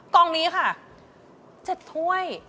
กองนี้ค่ะ๗ถ้วย